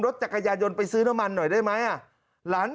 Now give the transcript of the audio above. จักรยานยนไปซื้อน้ำมันหน่อยได้ไหม